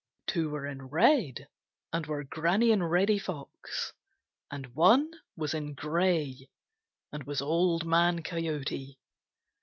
Two were in red and were Granny and Reddy Fox. And one was in gray and was Old Man Coyote.